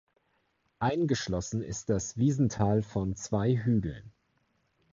Eingeschlossen ist das Wiesental von zwei Hügeln.